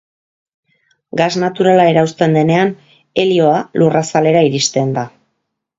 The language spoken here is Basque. Gas naturala erauzten denean helioa lurrazalera iristen da.